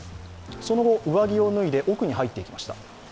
その後、上着を脱いで奥に入っていきました。